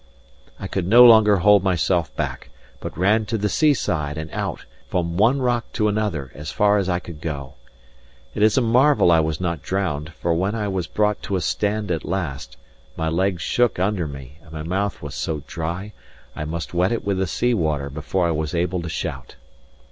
I could no longer hold myself back, but ran to the seaside and out, from one rock to another, as far as I could go. It is a marvel I was not drowned; for when I was brought to a stand at last, my legs shook under me, and my mouth was so dry, I must wet it with the sea water before I was able to shout.